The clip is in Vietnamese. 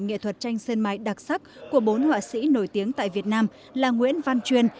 nghệ thuật tranh sân mài đặc sắc của bốn họa sĩ nổi tiếng tại việt nam là nguyễn văn truyền